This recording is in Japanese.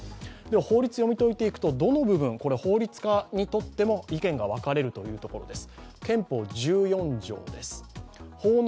法律を読み解いていくとどの部分法律家にとっても意見が分かれるというところです。